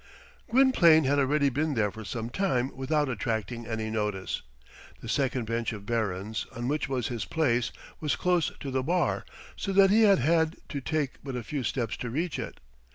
Gwynplaine had already been there for some time without attracting any notice. The second bench of barons, on which was his place, was close to the bar, so that he had had to take but a few steps to reach it.